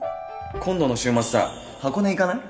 今度の週末さ箱根行かない？